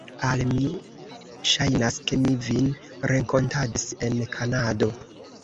Al mi ŝajnas, ke mi vin renkontadis en Kanado.